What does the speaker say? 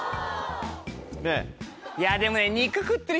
いやでもね。